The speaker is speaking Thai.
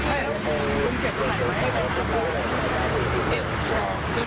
ลุงเจ็บตัวไหนไหม